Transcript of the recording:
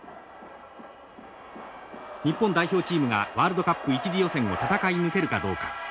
日本代表チームがワールドカップ１次予選を戦い抜けるかどうか。